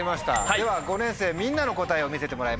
では５年生みんなの答えを見せてもらいましょう！